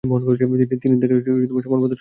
তিনি তাঁকে সম্মান প্রদর্শন করলেন।